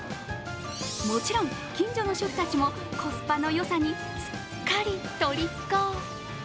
もちろん、近所の主婦たちもコスパの良さにすっかりとりこ。